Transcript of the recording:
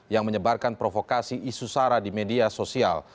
dan menyebarkan provokasi isu sara di media sosial